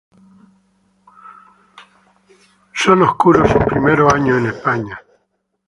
Son oscuros sus primeros años en España.